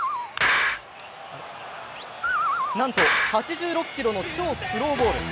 なんと８６キロの超スローボール。